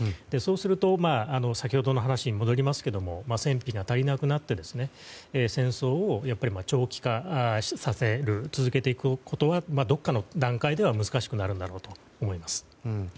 そうすると先ほどの話に戻りますが戦費が足りなくなってやっぱり戦争を長期化させる続けていくことはどこかの段階では難しくなるんだろうなと思います。